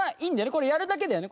これやるだけだよね？